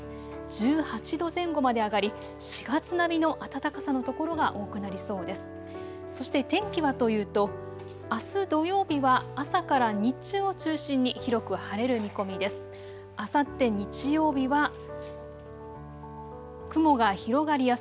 １８度前後まで上がり４月並みの暖かさの所が多くなりそうです。